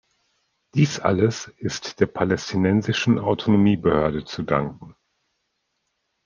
Dies alles ist der Palästinensischen Autonomiebehörde zu danken.